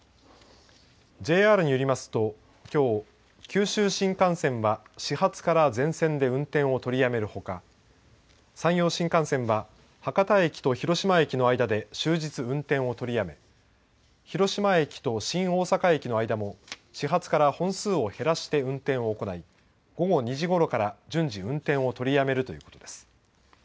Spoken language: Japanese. ＪＲによりますと、きょう九州新幹線は始発から全線で運転を取りやめるほか山陽新幹線は博多駅と広島駅の間で終日運転を取りやめ広島駅と新大阪駅の間も始発から本数を減らして運転を行い午後２時ごろから順次運転を取りやめるということです。